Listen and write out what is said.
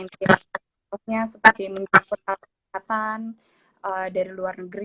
fokusnya seperti mencari perhatian dari luar negeri